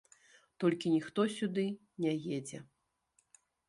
Толькі ніхто сюды не едзе.